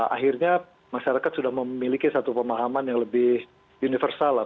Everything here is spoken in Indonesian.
akhirnya masyarakat sudah memiliki satu pemahaman yang lebih universal lah